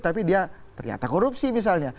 tapi dia ternyata korupsi misalnya